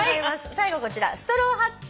最後こちら。